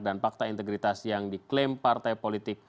dan pakta integritas yang diklaim partai politik